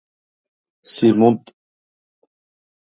Si mund